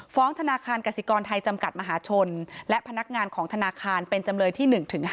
ธนาคารกสิกรไทยจำกัดมหาชนและพนักงานของธนาคารเป็นจำเลยที่๑๕